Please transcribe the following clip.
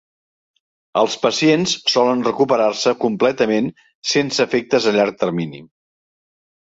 Els pacients solen recuperar-se completament sense efectes a llarg termini.